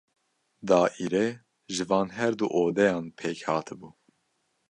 Daîre ji van her du odeyan pêk hatibû.